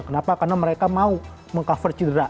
kenapa karena mereka mau meng cover cedera